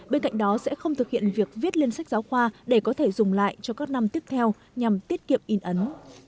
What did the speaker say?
bên cạnh đó sẽ không thực hiện việc viết lên sách giáo khoa để có thể dùng lại cho các năm tiếp theo nhằm tiết kiệm in ấn